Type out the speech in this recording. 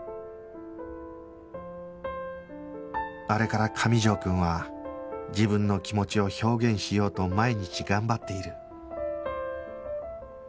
あれから上条くんは自分の気持ちを表現しようと毎日頑張っている